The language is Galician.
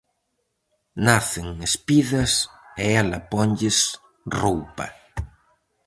Nacen espidas e ela ponlles roupa.